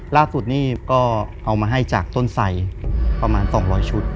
ล่าสุดนี่ก็เอามาให้จากต้นไสประมาณ๒๐๐ชุด